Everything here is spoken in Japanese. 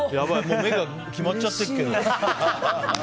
目が決まっちゃってるけど。